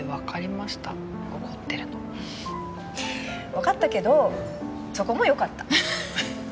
分かったけどそこもよかった。